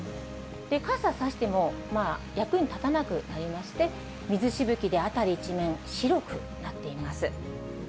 傘差しても役に立たなくなりまして、水しぶきで辺り一面白くなっています。